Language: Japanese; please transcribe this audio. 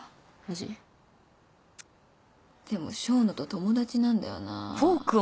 チッでも笙野と友達なんだよな。